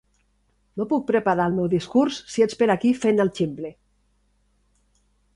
No puc preparar el meu discurs si ets per aquí fent el ximple.